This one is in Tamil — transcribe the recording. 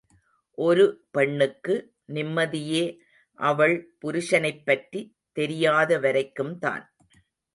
ஒரு பெண்ணுக்கு நிம்மதியே அவள் புருஷனைப் பற்றி தெரியாத வரைக்கும் தான்.